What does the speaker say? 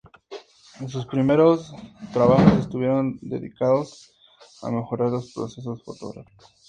Sus primeros trabajos estuvieron dedicados a mejorar los procesos fotográficos.